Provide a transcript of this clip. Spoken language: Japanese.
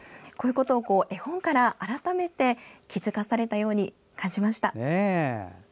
こういうことを絵本から改めて気付かされたように感じました。